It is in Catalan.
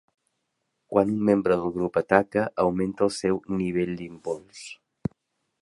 Quan un membre del grup ataca, augmenta el seu "nivell d'impuls".